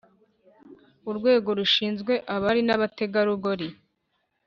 Urwego rushinzwe abari n,abatega rugori